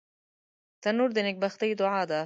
تنور د نیکبختۍ دعا ده